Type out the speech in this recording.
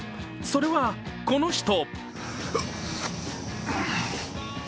それがこの人。